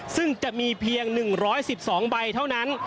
ซึ่งจะมีเพียง๑๑๒ใบเท่านั้น